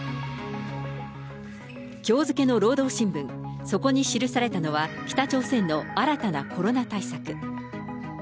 きょう付けの労働新聞、そこに記されたのは、北朝鮮の新たなコロナ対策。